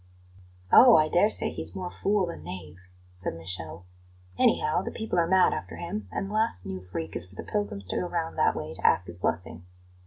"Oh, I dare say he's more fool than knave!" said Michele. "Anyhow, the people are mad after him, and the last new freak is for the pilgrims to go round that way to ask his blessing.